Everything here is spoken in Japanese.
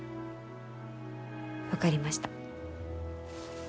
分かりました。